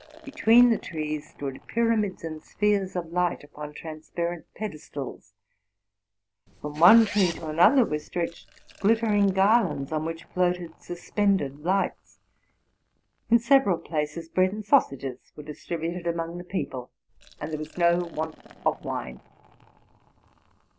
Between the trees, stood pyramids and spheres of light upon transparent pedestals ; from one tree to another were stretched glittering garlands, on which floated sus pended lights. In several places bread and sausages were distributed among the people, and there was no want of wine.